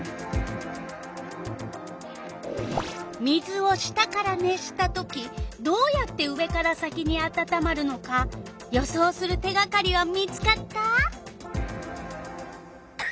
水を下から熱したときどうやって上から先にあたたまるのか予想する手がかりは見つかった？